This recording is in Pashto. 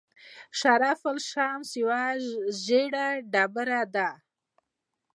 شرف الشمس یوه ژیړه ډبره ده.